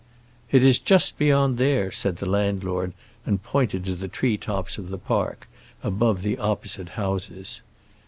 "It is just beyond there," said the landlord, and pointed to the tree tops of the park, above the opposite houses.